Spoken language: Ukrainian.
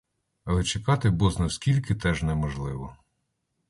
Але чекати бозна-скільки теж неможливо.